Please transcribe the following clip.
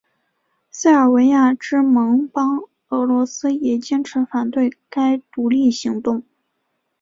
塞尔维亚之盟邦俄罗斯也坚持反对该独立行动。